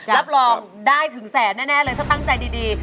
รับรองได้ถึงแสนแน่เลยถ้าตั้งใจดี